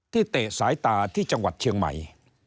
เตะสายตาที่จังหวัดเชียงใหม่